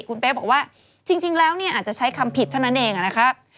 คุณเป๊ะบอกว่าจริงแล้วเนี่ยอาจจะใช้คำผิดเท่านั้นเองนะคะ